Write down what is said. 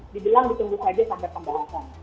dibilang ditunggu saja sampai pembahasan